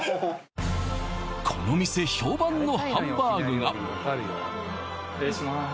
この店評判のハンバーグが失礼しまーす